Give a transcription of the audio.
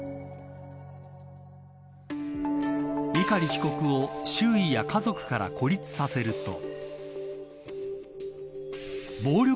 碇被告を周囲や家族から孤立させると。